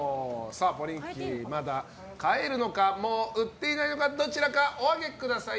ポリンキー、まだ買えるのかもう売っていないのかどちらかお上げください。